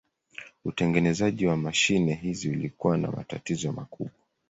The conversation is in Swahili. Utengenezaji wa mashine hizi ulikuwa na matatizo makubwa.